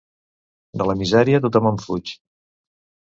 De la misèria tothom en fuig.